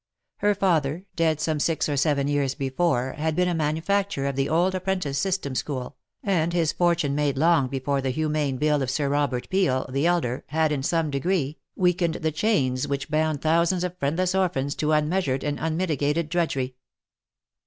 Her father, dead some six or seven years before, had been a manufacturer of the old apprentice system school, and his fortune made long before the humane bill of Sir Robert Peel, the elder, had, in some degree, weakened the chains which bound thousands of friendless orphans to unmeasured and unmitigated drudgery.